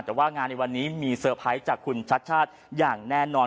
แต่ว่างานในวันนี้มีเซอร์ไพรส์จากคุณชัดชาติอย่างแน่นอน